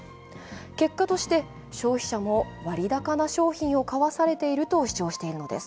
結果として、消費者も割高な商品を買わされていると主張しているのです。